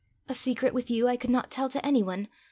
a secret with you I could not tell to any one?